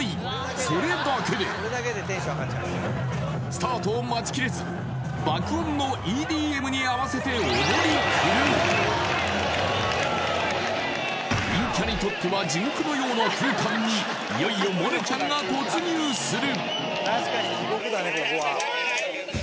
それだけでスタートを待ちきれず爆音のＥＤＭに合わせて陰キャにとっては地獄のような空間にいよいよ萌音ちゃんが突入する！